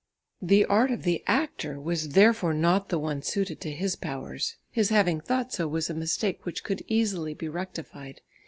The art of the actor was therefore not the one suited to his powers; his having thought so was a mistake which could easily be rectified.